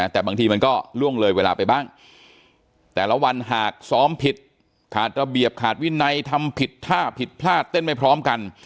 แต่บางทีมันก็ล่วงเลยเวลาไปบ้างแต่ละวันหากซ้อมผิดขาดระเบียบขาดวินัยทำผิดท่าผิดพลาดเต้นไม่พร้อมกัน